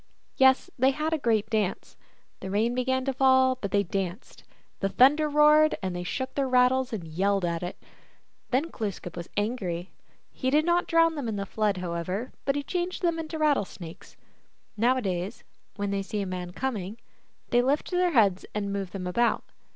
Yes, they had a great dance. The rain began to fall, but they danced. The thunder roared, and they shook their rattles and yelled at it. Then Glooskap was angry. He did not drown them in the Flood, however, but he changed them into rattlesnakes. Nowadays, when they see a man coming, they lift up their heads and move them about.